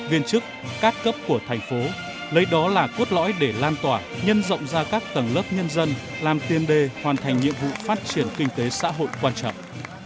viên chức các cấp của thành phố lấy đó là cốt lõi để lan tỏa nhân rộng ra các tầng lớp nhân dân làm tiên đề hoàn thành nhiệm vụ phát triển kinh tế xã hội quan trọng